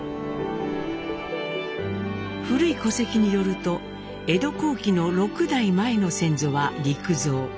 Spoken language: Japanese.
古い戸籍によると江戸後期の６代前の先祖は利久蔵。